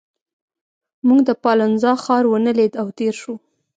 موږ د پالنزا ښار ونه لید او تېر شوو.